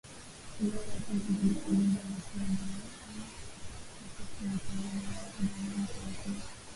Ingawa hakuna idadi kamili ya watu waliouliwa wakati wa utawala wa Idi Amin kuanzia